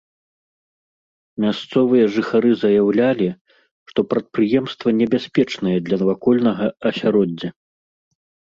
Мясцовыя жыхары заяўлялі, што прадпрыемства небяспечнае для навакольнага асяроддзя.